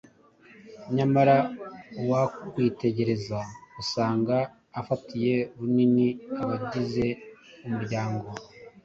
Nyamara wakwitegereza ugasanga afatiye runini abagize umuryango.